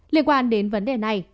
liên quan đến vấn đề này